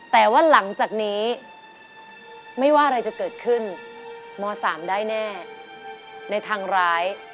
แต่ว่าหลังจากนี้ไม่ว่าอะไรจะเกิดขึ้นม๓ได้แน่ในทางร้าย